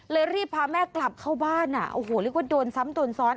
รีบพาแม่กลับเข้าบ้านอ่ะโอ้โหเรียกว่าโดนซ้ำโดนซ้อน